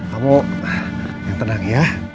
kamu yang tenang ya